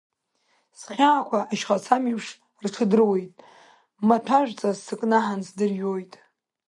Схьаақәа ашьхацамҩеиԥш рҽыдроуит, маҭәажәҵас сыкнаҳан сдырҩоит.